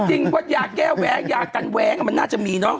จริงว่ายาแก้แว้ยากันแว้งมันน่าจะมีเนอะ